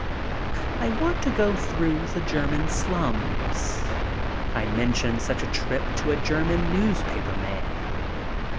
I want to go through the German slums. I mention such a trip to a German newspaper man.